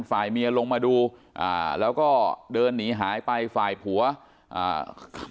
ฝ่ายเมียลงมาดูอ่าแล้วก็เดินหนีหายไปฝ่ายผัวอ่า